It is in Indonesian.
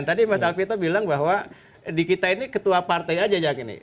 tadi mas alvito bilang bahwa di kita ini ketua partai aja yang gini